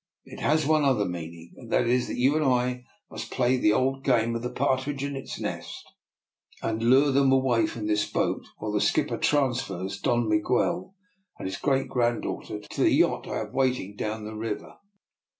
It has one other meaning, and that is that you and I must play the old game of the partridge and its nest, and lure them away from this boat while the skipper transfers Don Miguel and his great granddaughter to the yacht I have in waiting down the river."